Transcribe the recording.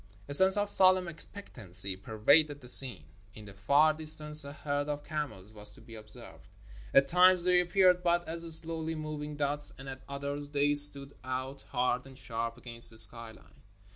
A sense of solemn expectancy pervaded the scene. In the far distance a herd of camels was to be observed. At times they appeared but as slowly moving dots, and at others they stood out hard and sharp against the sky line.